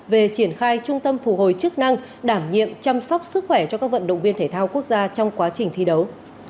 về triển khai trung tâm phục hồi chức năng đảm nhiệm chăm sóc sức khỏe cho các vận động viên thể thao quốc gia trong quá trình thi đấu